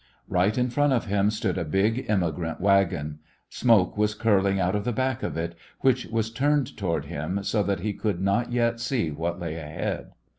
Right in front of him stood a big emigrant wagon. Smoke was curling out of the back of it, which was turned toward him so that he could not yet see what lay ahead.